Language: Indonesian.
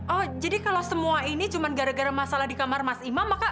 oh jadi kalau semua ini cuma gara gara masalah di kamar mas imam maka